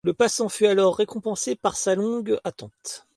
Le passant fut alors récompensé de sa longue attente.